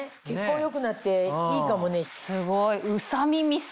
血行良くなっていいかもね。